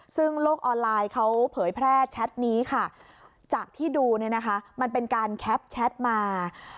ซึ่งโลกออนไลน์เขาเผยแพร่แชทนี้ค่ะจากที่ดูเนี่ยนะคะมันเป็นการแคปแชทมา